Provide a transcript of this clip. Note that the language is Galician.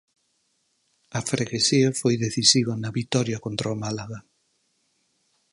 A freguesía foi decisiva na vitoria contra o Málaga.